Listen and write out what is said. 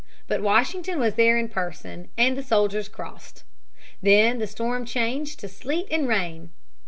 But Washington was there in person, and the soldiers crossed. Then the storm changed to sleet and rain.